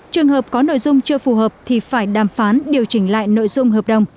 trường hợp có nội dung chưa phù hợp thì phải đàm phán điều chỉnh lại nội dung hợp đồng